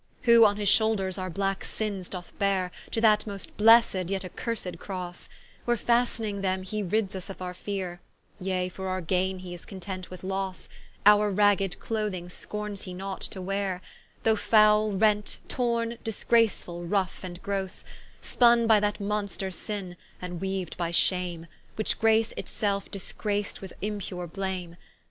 Who on his shoulders our blacke sinnes doth beare To that most blessed, yet accursed Crosse; Where fastning them, he rids vs of our feare, Yea for our gaine he is content with losse, Our ragged clothing scornes he not to weare, Though foule, rent, torne, disgracefull rough and grosse, Spunne by that monster Sinne, and weav'd by Shame, Which grace it selfe, disgrac'd with impure blame.